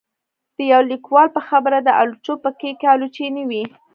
د يو ليکوال په خبره د آلوچو په کېک کې آلوچې نه وې